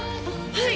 はい。